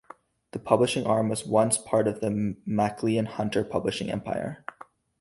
The publishing arm was once part of the Maclean Hunter Publishing empire.